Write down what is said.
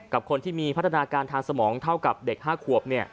กับคนที่มีพัฒนาการทางสมองเท่ากับเด็ก๕ขวบ